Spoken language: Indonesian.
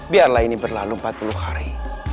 biarlah ini berlalu empat puluh hari